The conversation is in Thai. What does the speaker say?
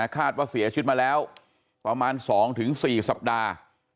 คาดว่าเสียชีวิตมาแล้วประมาณ๒๔สัปดาห์